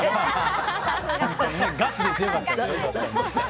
ガチで強かった。